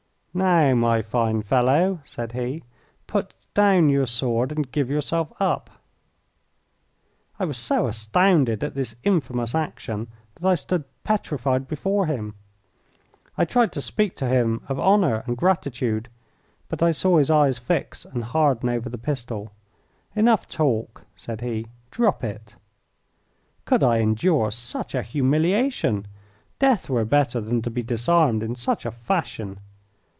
"Now, my fine fellow," said he, "put down your sword and give yourself up." I was so astounded at this infamous action that I stood petrified before him. I tried to speak to him of honour and gratitude, but I saw his eyes fix and harden over the pistol. "Enough talk!" said he. "Drop it!" Could I endure such a humiliation? Death were better than to be disarmed in such a fashion.